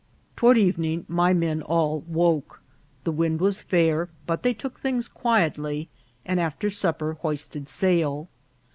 39 Toward evening my men all woke ; the wind was fair, but they took things quietly, and after supper hoist ed sail.